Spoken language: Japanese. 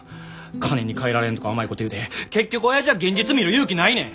金にかえられんとか甘いこと言うて結局おやじは現実見る勇気ないねん。